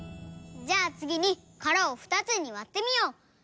じゃあつぎにからをふたつにわってみよう！